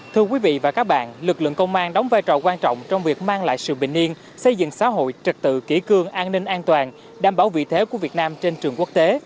thưa quý vị và các bạn lực lượng công an đóng vai trò quan trọng trong việc mang lại sự bình yên xây dựng xã hội trật tự kỷ cương an ninh an toàn đảm bảo vị thế của việt nam trên trường quốc tế